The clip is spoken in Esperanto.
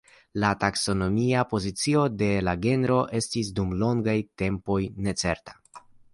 La taksonomia pozicio de la genro estis dum longaj tempoj necerta.